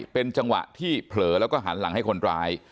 เป็นจังหวะที่เผลอแล้วก็หันหลังให้คนร้าย